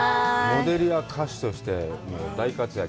モデルや歌手として大活躍。